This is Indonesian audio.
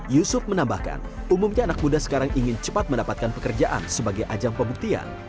yusuf menambahkan umumnya anak muda sekarang ingin cepat mendapatkan pekerjaan sebagai ajang pembuktian